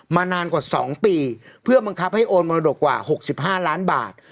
มานานกว่าสองปีเพื่อบังคับให้โอนมนตรกว่าหกสิบห้าล้านบาท